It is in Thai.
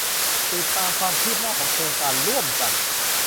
ติดตามความคืบหน้าของโครงการร่วมกัน